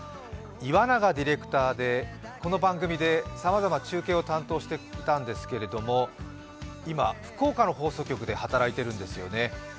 岩永ディレクターで、この番組で、さまざまな中継を担当していたんですけれど、今、福岡の放送局で働いているんですよね。